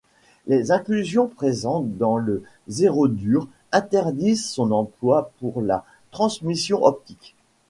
Les inclusions présentes dans le Zerodur interdisent son emploi pour la transmission optique.